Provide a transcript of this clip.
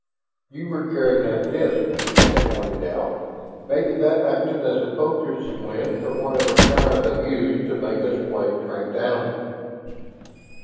"You were carrying that disk," Shann pointed out. "Maybe that acted as a focusing lens for whatever power they use to make us play trained animals."